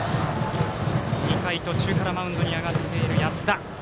２回途中からマウンドに上がっている安田。